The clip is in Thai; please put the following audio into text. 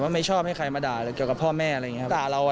ไม่ชอบให้ใครมาด่าเกี่ยวกับพ่อแม่อะไรอย่างนี้